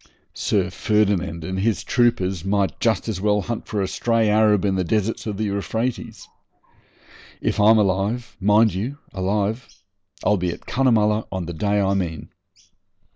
Sir Ferdinand and his troopers might just as well hunt for a stray Arab in the deserts of the Euphrates. If I'm alive mind you, alive I'll be at Cunnamulla on the day I mean.